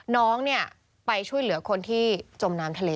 น้องไปช่วยเหลือคนที่จมน้ำทะเล